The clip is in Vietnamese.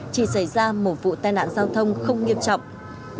chỉ xảy ra một vụ tai nạn giao thông không nghiêm trọng